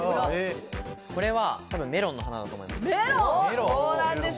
これはメロンの花だと思います。